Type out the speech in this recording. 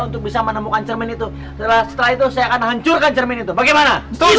untuk bisa menemukan cermin itu setelah itu saya akan hancurkan cermin itu bagaimana